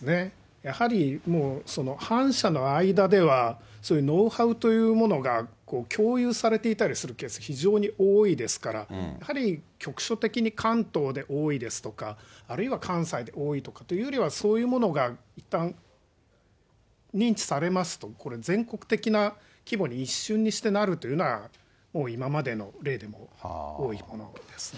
やはりもう反社の間では、そういうノウハウというものが共有されていたりするケース、非常に多いですから、やはり局所的に関東で多いですとか、あるいは関西で多いとかっていうよりは、そういうものがいったん認知されますと、これ、全国的な規模に一瞬にしてなるというのが、今までの例でも多いものですね。